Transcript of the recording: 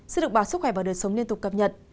xin được báo sức khỏe và đời sống liên tục cập nhật